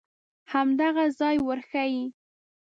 همدغه ځای ورښیې.